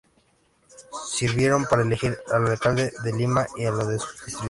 Sirvieron para elegir al alcalde de Lima y a los de sus distritos.